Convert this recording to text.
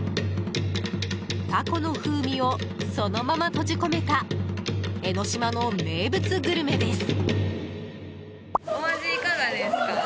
タコの風味をそのまま閉じ込めた江の島の名物グルメです。